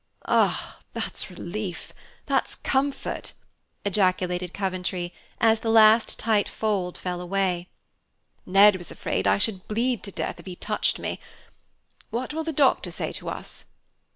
"Ah, that's relief, that's comfort!" ejaculated Coventry, as the last tight fold fell away. "Ned was afraid I should bleed to death if he touched me. What will the doctor say to us?"